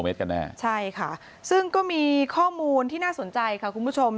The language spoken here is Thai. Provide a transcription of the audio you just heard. เมตรกันแน่ใช่ค่ะซึ่งก็มีข้อมูลที่น่าสนใจค่ะคุณผู้ชม